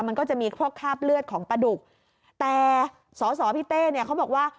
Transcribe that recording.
มันก็จะมีพวกคราบเลือดของปลาดุกแต่สอสอพี่เต้เนี่ยเขาบอกว่า